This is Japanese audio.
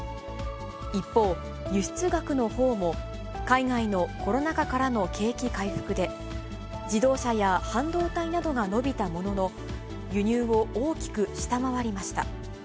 一方、輸出額のほうも、海外のコロナ禍からの景気回復で、自動車や半導体などが伸びたものの、輸入を大きく下回りました。